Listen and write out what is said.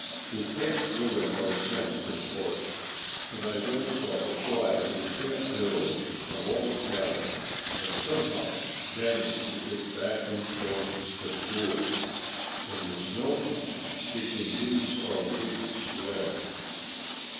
"We can't live in our tents of course, but I don't know why we can't build a log cabin and somehow manage to get back and forth to school. When the snow comes we can use our big sled."